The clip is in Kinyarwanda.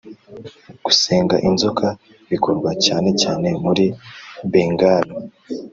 gusenga inzoka, bikorwa cyane cyane muri bengal.